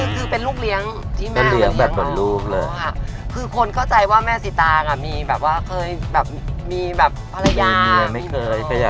คือเป็นลูกเลี้ยงที่แม่ลูกเลี้ยงเหรอค่ะคือคือเป็นลูกเลี้ยงที่แม่ลูกเลี้ยงเหรอค่ะ